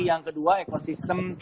yang kedua ekosistem